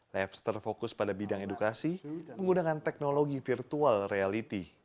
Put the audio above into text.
labster fokus pada bidang edukasi menggunakan teknologi virtual reality